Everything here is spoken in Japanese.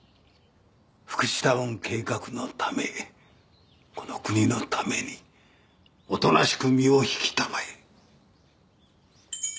福祉タウン計画のためこの国のためにおとなしく身を引きたまえ。